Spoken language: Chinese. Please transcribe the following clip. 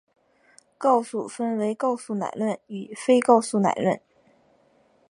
告诉分为告诉乃论与非告诉乃论。